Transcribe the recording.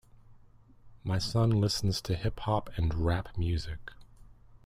My son listens to hip-hop and rap music.